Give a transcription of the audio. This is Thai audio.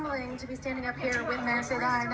ผมไม่รู้ที่สั้นซะครับว่าเรื่องจริงกันรึเปล่า